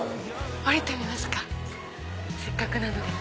降りてみますかせっかくなので。